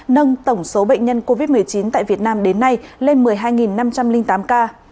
nâng tổng số bệnh nhân covid một mươi chín tại việt nam đến nay lên một mươi hai năm trăm linh tám ca